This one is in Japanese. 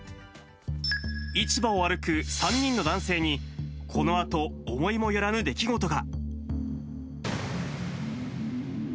市場を歩く３人の男性に、このあと、思いもよらぬ出来事が。